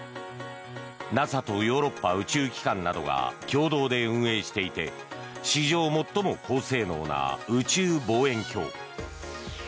ＮＡＳＡとヨーロッパ宇宙機関などが共同で運営していて史上最も高性能な宇宙望遠鏡。